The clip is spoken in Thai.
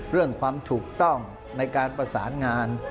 เรื่องความถูกต้องในการประสานงาน